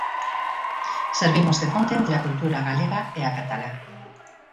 'Servimos de ponte entre a cultura galega e a catalá'.